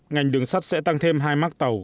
ngành đường sắt sẽ tăng thêm hai mác tàu